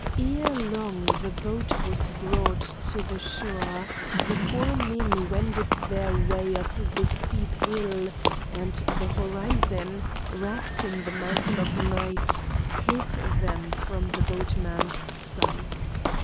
Ere long the boat was brought to the shore, the four men wended their way up the steep hill, and the horizon, wrapped in the mantle of night, hid them from the boatman's sight.